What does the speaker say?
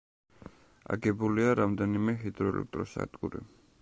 აგებულია რამდენიმე ჰიდროელექტროსადგური.